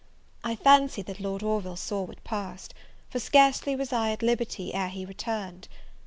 I fancy that Lord Orville saw what passed; for scarcely was I at liberty, ere he returned.